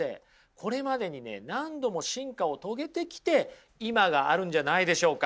これまでにね何度も進化を遂げてきて今があるんじゃないんでしょうか。